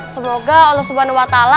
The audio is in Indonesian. semoga allah swt